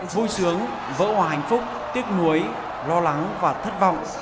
vui sướng vỡ hòa hạnh phúc tiếc nuối lo lắng và thất vọng